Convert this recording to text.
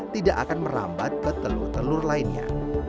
tidak akan merambat ke telur telur lainnya